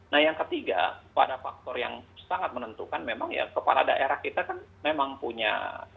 nah yang ketiga pada faktor yang sangat menentukan memang ya kepala daerah kita kan memang punya